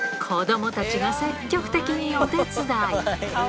子どもたちが積極的にお手伝い。